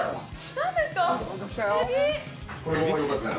何ですか？